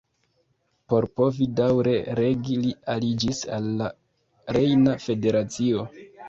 Por povi daŭre regi li aliĝis al la Rejna Federacio.